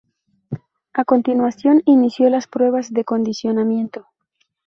A continuación, inició las pruebas de condicionamiento.